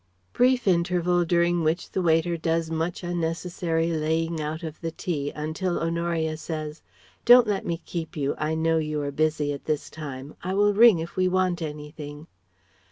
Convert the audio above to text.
(Brief interval during which the waiter does much unnecessary laying out of the tea until Honoria says: "Don't let me keep you. I know you are busy at this time. I will ring if we want anything.")